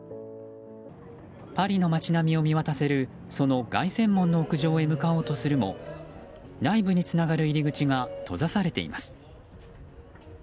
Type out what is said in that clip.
パリの街並みを見渡せるその凱旋門の屋上へ向かおうとするも内部につながる入り口が閉ざされています。